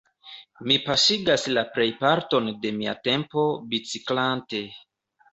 Mi pasigas la plejparton de mia tempo biciklante.